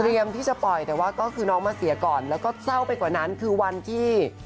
ที่จะปล่อยแต่ว่าก็คือน้องมาเสียก่อนแล้วก็เศร้าไปกว่านั้นคือวันที่